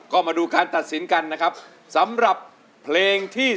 จับมือประคองขอร้องอย่าได้เปลี่ยนไป